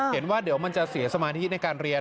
เห็นว่าเดี๋ยวมันจะเสียสมาธิในการเรียน